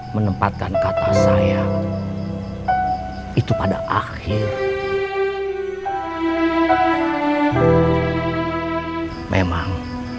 menempatkan kata saya itu di depan